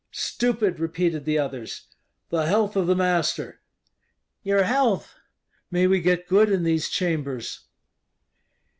"Stupid!" repeated the others. "The health of the master!" "Your health!" "May we get good in these chambers!"